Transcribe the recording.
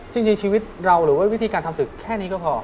จริงชีวิตเราหรือว่าวิธีการทำศึกแค่นี้ก็พอ